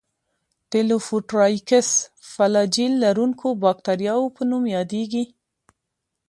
د لوفوټرایکس فلاجیل لرونکو باکتریاوو په نوم یادیږي.